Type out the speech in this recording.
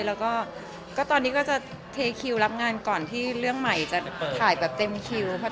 แล้วก็ตอนนี้ก็จะเทคิวรับงานก่อนที่เรื่องใหม่จะถ่ายแบบเต็มคิวค่ะ